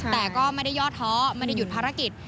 แต่ก็ไม่ได้ย่อท้อไม่ได้หยุดภารกิจ